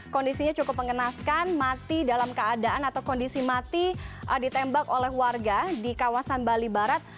kondisinya cukup mengenaskan mati dalam keadaan atau kondisi mati ditembak oleh warga di kawasan bali barat